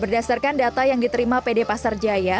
berdasarkan data yang diterima pd pasar jaya